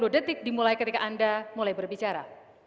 dua puluh detik dimulai ketika anda mulai berbicara